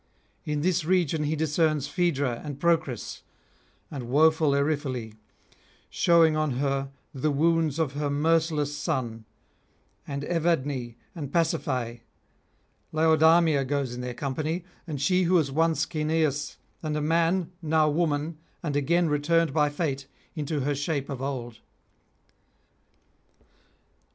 In this region he discerns Phaedra and Procris and woeful Eriphyle, shewing on her the wounds of her merciless son, and Evadne and Pasiphaë; Laodamia goes in their company, and she who was once Caeneus and a man, now woman, and again returned by fate into her shape of old.